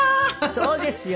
そうですよ